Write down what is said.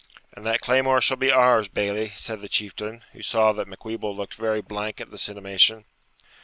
'And that claymore shall be ours, Bailie,' said the Chieftain, who saw that Macwheeble looked very blank at this intimation.